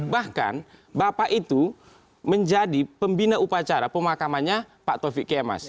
bahkan bapak itu menjadi pembina upacara pemakamannya pak taufik kemas